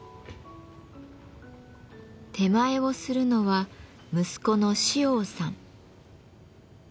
点前をするのは息子の梓央さん。